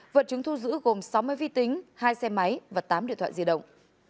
vật chứng thu giữ gồm sáu mươi vi tính hai xe máy và tám điện thoại di động